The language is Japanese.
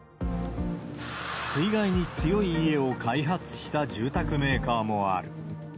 水害に強い家を開発した住宅メーカーもある。